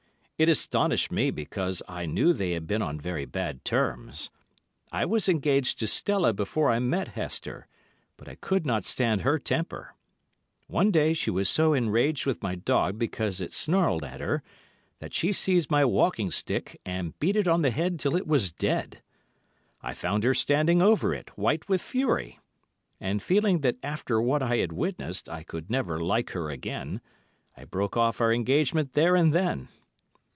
It astonished me because I knew they had been on very bad terms. I was engaged to Stella before I met Hester, but I could not stand her temper. One day she was so enraged with my dog because it snarled at her, that she seized my walking stick and beat it on the head till it was dead. I found her standing over it, white with fury; and feeling that after what I had witnessed I could never like her again, I broke off our engagement there and then.